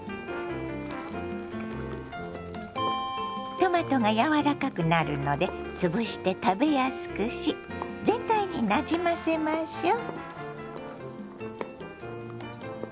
トマトが柔らかくなるので潰して食べやすくし全体になじませましょう。